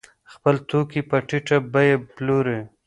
خپل توکي په ټیټه بیه پلوري.